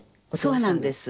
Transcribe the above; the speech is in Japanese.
そうなんです。